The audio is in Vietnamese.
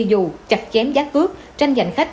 dù chặt chém giá cước tranh giành khách